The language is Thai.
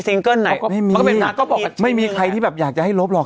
เกิ้ลไหนก็ไม่มีมันก็เป็นหนักก็บอกไม่มีใครที่แบบอยากจะให้ลบหรอก